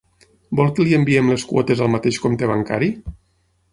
Vol que li enviem les quotes al mateix compte bancari?